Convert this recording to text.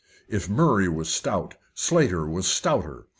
If Murray was stout, Slater was stouter.